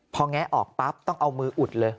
พอแงะออกปั๊บต้องเอามืออุดเลย